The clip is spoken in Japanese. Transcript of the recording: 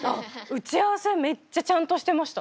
打ち合わせめっちゃちゃんとしてました。